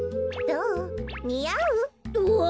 どう？にあう？うわ！